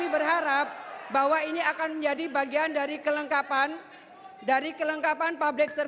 itulah aspek ini pendapat dari dewan bank indonesia kepecahan waktu ini